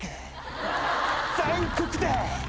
残酷だ！